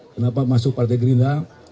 kenapa masuk partai gerinda